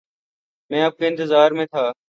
میں آپ کے انتظار میں تھا